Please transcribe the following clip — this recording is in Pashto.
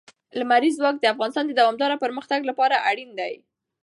لمریز ځواک د افغانستان د دوامداره پرمختګ لپاره اړین دي.